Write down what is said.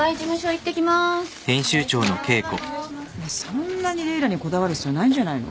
そんなにレイラにこだわる必要ないんじゃないの？